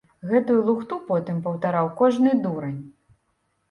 Гэтую лухту потым паўтараў кожны дурань!